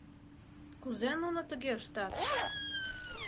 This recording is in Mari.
Кузе нуно тыге ыштат?